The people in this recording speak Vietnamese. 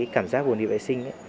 cảm giác buồn đi vệ sinh